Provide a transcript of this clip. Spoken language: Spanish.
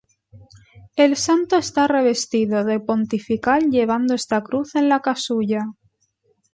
El santo está revestido de pontifical llevando esta cruz en la casulla.